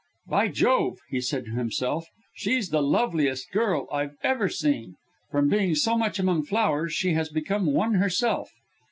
"By Jove," he said to himself, "she's the loveliest girl I've ever seen. From being so much among flowers, she has become one herself.